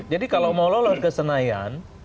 jadi kalau mau lolos ke senayan